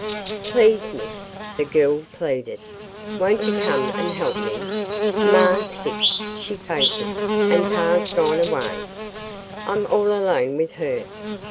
"Please, Miss," the girl pleaded; "won't you come and help me? Ma's sick she fainted and pa's gone away. I'm all alone with her.